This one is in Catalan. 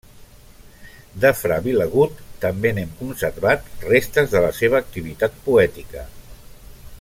De fra Vilagut també n'hem conservat restes de la seva activitat poètica.